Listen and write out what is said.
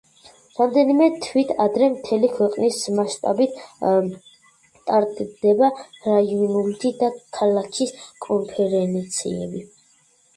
რამდენიმე თვით ადრე, მთელი ქვეყნის მასშტაბით ტარდება რაიონული და ქალაქის კონფერენციები.